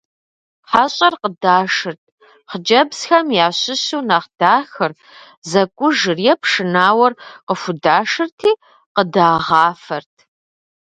ХьэщӀэр къыдашырт. Хъыджбзхэм ящыщу нэхъ дахэр, зэкӀужыр е пшынауэр къыхудашырти, къыдагъафэрт.